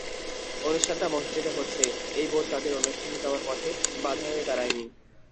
অনুষ্ঠানটা মসজিদে হচ্ছে—এই বোধ তাদের অনুষ্ঠানে যাওয়ার পথে বাধা হয়ে দাঁড়ায়নি।